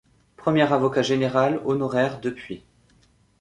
Premier avocat général honoraire depuis.